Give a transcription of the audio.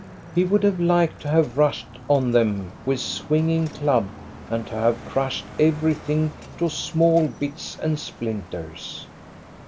He would have liked to have rushed on them with swinging club and to have crushed everything to small bits and splinters.